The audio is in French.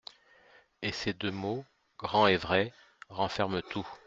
Et ces deux mots, grand et vrai, renferment tout.